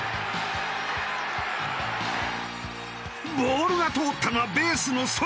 「ボールが通ったのはベースの外！」